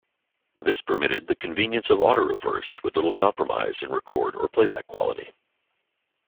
This permitted the convenience of auto-reverse with little compromise in record or playback quality.